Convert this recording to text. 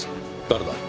誰だ？